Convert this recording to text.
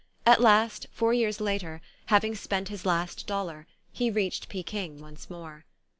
At last, four years later, having spent his last dollar he reached Peking once more.